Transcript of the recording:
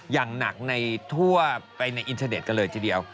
อย่างหนักในทั่วไปในอินเทอร์เน็ตกันเลยทีเดียว